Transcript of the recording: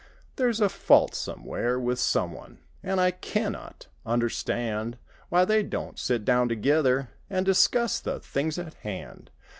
There's a fault somewhere with someone! An' I can not understand Why they don't sit down together An' discuss the things at hand.